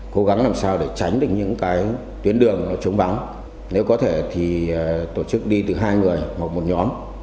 cố gắng làm sao để tránh được những cái tuyến đường nó trống bắn nếu có thể thì tổ chức đi từ hai người hoặc một nhóm